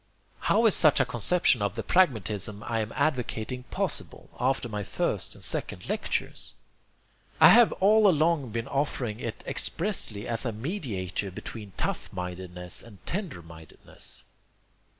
How is such a conception of the pragmatism I am advocating possible, after my first and second lectures? I have all along been offering it expressly as a mediator between tough mindedness and tender mindedness.